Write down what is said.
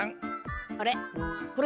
あれ？